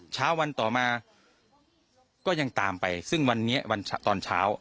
เช้าวันต่อมาก็ยังตามไปซึ่งวันนี้วันตอนเช้า